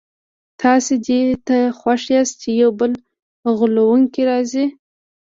تاسي دې ته خوښ یاست چي یو بل غولونکی راځي.